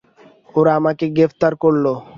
ওরা আমাকে গ্রেফতার করল।